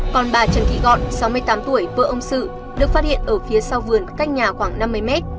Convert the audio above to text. còn bà trần thị gọn sáu mươi tám tuổi vợ ông sự được phát hiện ở phía sau vườn cách nhà khoảng năm mươi mét